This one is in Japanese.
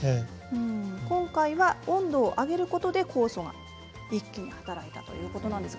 今回は温度を上げることで酵素が一気に働いたということなんですね。